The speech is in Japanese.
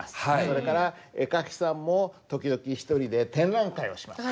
それから絵描きさんも時々１人で展覧会をします。